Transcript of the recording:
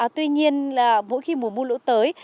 tuy nhiên mỗi khi mùa mua lũ tới